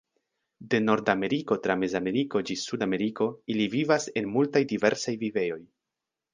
De Nordameriko tra Mezameriko ĝis Sudameriko ili vivas en multaj diversaj vivejoj.